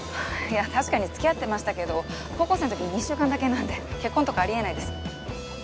確かに付き合ってましたけど高校生の時に２週間だけなんで結婚とかありえないです